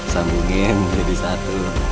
sambungin jadi satu